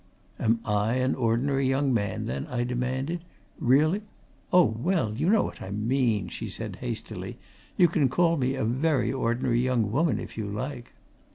"Am I an ordinary young man, then?" I demanded. "Really " "Oh, well, you know what I mean!" she said hastily. "You can call me a very ordinary young woman, if you like."